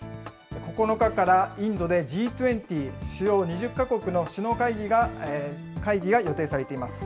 ９日からインドでＧ２０・主要２０か国の首脳会議が予定されています。